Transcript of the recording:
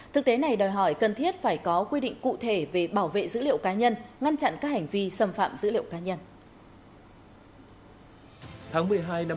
thực tế này đòi hỏi cần thiết phải có quy định cụ thể về bảo vệ dữ liệu cá nhân